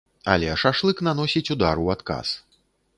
Але шашлык наносіць удар у адказ.